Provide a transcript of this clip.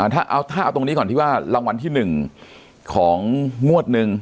ถ้าเอาตรงนี้ก่อนที่ว่ารางวัลที่๑ของงวดหนึ่ง